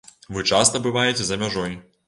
Вы часта бываеце за мяжой.